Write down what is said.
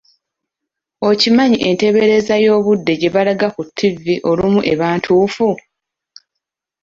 Okimanyi enteebereza y'obudde gye balaga ku ttivi olumu eba ntuufu?